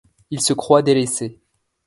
Il se croit délaissé.